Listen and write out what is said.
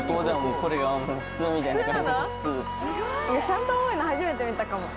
ちゃんと青いの初めて見たかも。